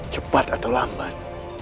cepat atau lambat